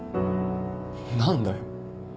何だよ。